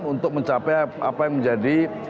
untuk mencapai apa yang menjadi